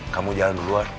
kamu jalan duluan